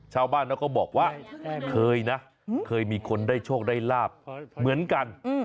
ชาวบ้านเขาก็บอกว่าเคยนะเคยมีคนได้โชคได้ลาบเหมือนกัน